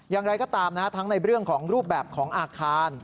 อย่างไรก็ตามนะฮะทั้งในเรื่องของรูปแบบของอาคาร